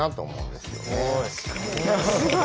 すごい。